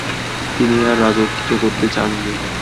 তিনি আর রাজত্ব করতে চান নি।